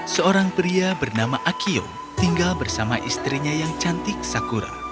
seorang pria bernama akio tinggal bersama istrinya yang cantik sakura